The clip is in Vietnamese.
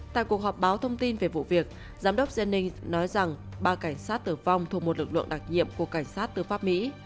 tại cuộc họp báo thông tin về vụ việc giám đốc jennings nói rằng ba cảnh sát tử vong thuộc một lực lượng đặc nhiệm của cảnh sát tư pháp mỹ